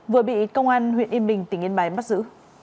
vừa bị công an huyện yên bình tỉnh yên bái bắt giữ